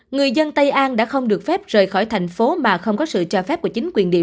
người dân tây an đã không được phép rời khỏi thành phố mà không có sự cho phép của chính quyền địa phương